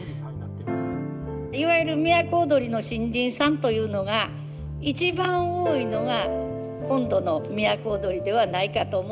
いわゆる都をどりの新人さんというのが一番多いのが今度の都をどりではないかと思うんです。